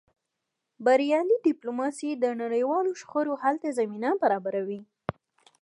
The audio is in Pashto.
بریالۍ ډیپلوماسي د نړیوالو شخړو حل ته زمینه برابروي.